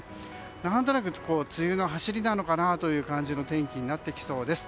何となく梅雨の走りなのかなという感じの天気になってきそうです。